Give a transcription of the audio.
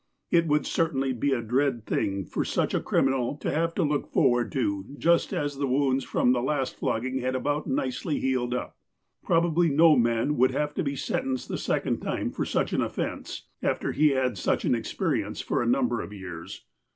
It would certainly be a dread thing for such a criminal to have to look forward to, j ust as the wounds from the last flogging had about nicely healed up. Probably no man would have to be sentenced the sec ond time for such an offence, after he had such an ex perience for a number of years.